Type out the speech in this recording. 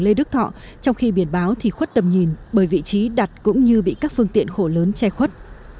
lê đức thọ trong khi biển báo thì khuất tầm nhìn bởi vị trí đặt cũng như bị các phương tiện khổ lớn che khuất